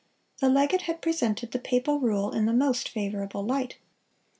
The legate had presented the papal rule in the most favorable light.